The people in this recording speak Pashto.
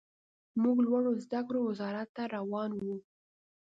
موږ لوړو زده کړو وزارت ته روان وو.